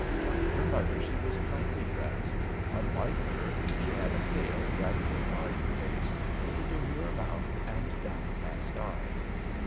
Like her mother, she was plainly dressed; unlike her, she had a pale, rather refined face, with a demure mouth and downcast eyes.